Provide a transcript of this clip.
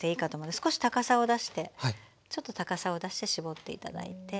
少し高さを出してちょっと高さを出して絞って頂いて。